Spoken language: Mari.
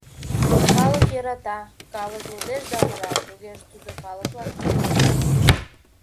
Калык йӧрата, калык лудеш да мура, тугеже тудо калыклан кӱлеш.